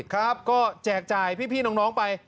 ก็แจกจ่ายพี่น้องไป